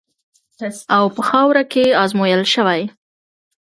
او په خاوره کې ازمویل شوې.